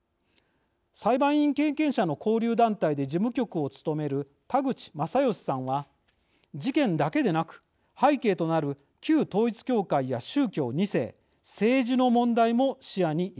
裁判員経験者の交流団体で事務局を務める田口真義さんは「事件だけでなく背景となる旧統一教会や宗教２世政治の問題も視野に入れてほしい。